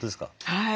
はい。